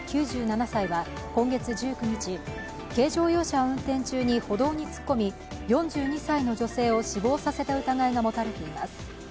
９７歳は今月１９日軽乗用車を運転中に歩道に突っ込み、４２歳の女性を死亡させた疑いが持たれています。